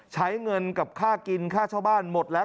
ใช้เงินกับค่ากินค่าเช่าบ้านหมดแล้ว